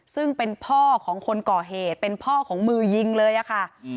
ซึ่งเป็นพ่อของคนก่อเหตุเป็นพ่อของมือยิงเลยอะค่ะ